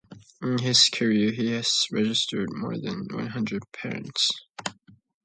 In his career he has registered more than one hundred patents.